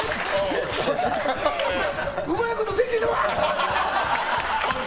うまいことできるわっ！